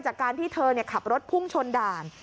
จากการที่เธอขับรถพุ่งชนด่าน